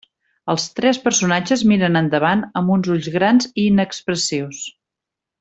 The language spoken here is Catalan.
Els tres personatges miren endavant amb uns ulls grans i inexpressius.